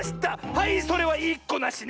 はいそれはいいっこなしね！